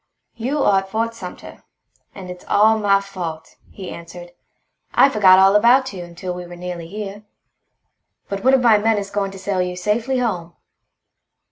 "You are at Fort Sumter. And it's all my fault," he answered. "I forgot all about you until we were nearly here. But one of my men is going to sail you safely home.